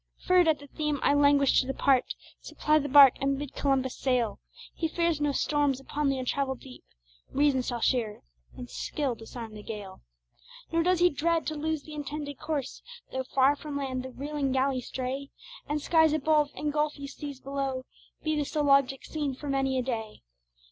_" Fir'd at the theme, I languish to depart, Supply the barque, and bid Columbus sail; He fears no storms upon the untravell'd deep; Reason shall steer, and skill disarm the gale. Nor does he dread to lose the intended course, Though far from land the reeling galley stray, And skies above and gulphy seas below Be the sole objects seen for many a day.